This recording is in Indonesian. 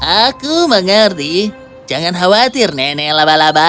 aku mengerti jangan khawatir nenek labalaba